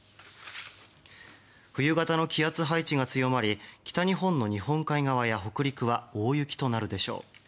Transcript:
冬型の気圧配置が強まり北日本の日本海側や北陸は大雪となるでしょう。